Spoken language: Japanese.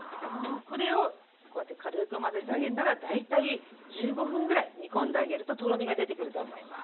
これをこうやって軽く混ぜてあげたら大体１５分ぐらい煮込んであげるととろみが出てくると思います。